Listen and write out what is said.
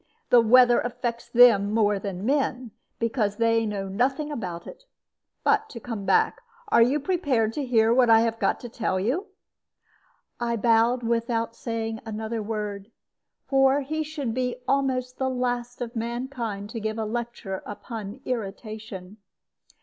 The weather affects them more than men, because they know nothing about it. But to come back are you prepared to hear what I have got to tell you?" I bowed without saying another word. For he should be almost the last of mankind to give a lecture upon irritation.